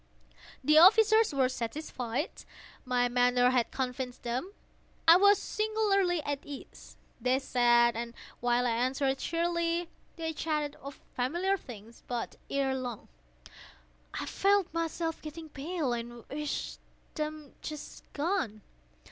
The officers were satisfied. My manner had convinced them. I was singularly at ease. They sat, and while I answered cheerily, they chatted of familiar things. But, ere long, I felt myself getting pale and wished them gone.